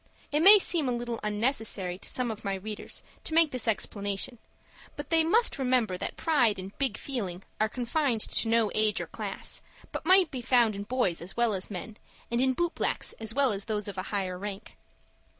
It may seem a little unnecessary to some of my readers to make this explanation; but they must remember that pride and "big feeling" are confined to no age or class, but may be found in boys as well as men, and in boot blacks as well as those of a higher rank.